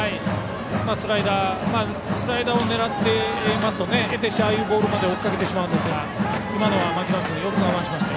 スライダーを狙っていますとえてしてああいうボールまで追っかけてしまうんですが今のは牧野君、よく我慢しました。